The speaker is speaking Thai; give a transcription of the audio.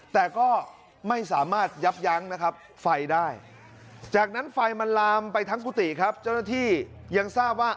แต่ก็ไม่สามารถยับยั้งนะครับไฟได้จากนั้นไฟมันลามไปทั้งกุฏิครับเจ้าหน้าที่ยังทราบว่า